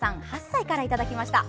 ８歳からいただきました。